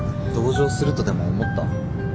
同情するとでも思った？